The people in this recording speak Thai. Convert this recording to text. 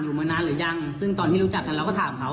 มานานหรือยังซึ่งตอนที่รู้จักกันเราก็ถามเขา